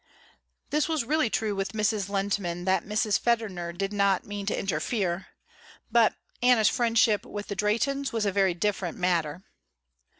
This was really true with Mrs. Lehntman that Mrs. Federner did not mean to interfere, but Anna's friendship with the Drehtens was a very different matter.